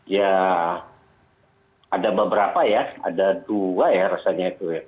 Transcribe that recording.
ya ada beberapa ya ada dua ya rasanya itu ya